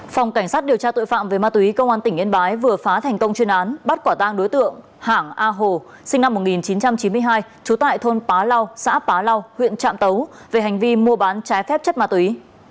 phòng cảnh sát điều tra tội phạm về ma túy công an tỉnh yên bái vừa phá thành công chuyên án bắt quả tang đối tượng hảng a hồ sinh năm một nghìn chín trăm chín mươi hai trú tại thôn bá lau xã bá lau huyện trạm tấu về hành vi mua bán trái phép chất ma túy